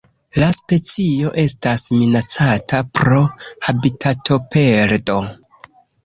La specio estas minacata pro habitatoperdo.